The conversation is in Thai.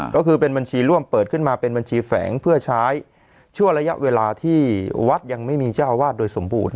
ก็คือเป็นบัญชีร่วมเปิดขึ้นมาเป็นบัญชีแฝงเพื่อใช้ชั่วระยะเวลาที่วัดยังไม่มีเจ้าอาวาสโดยสมบูรณ